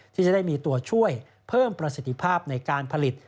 ที่จะได้มีตัวช่วยเพิ่มประสิทธิภาพในการผลิต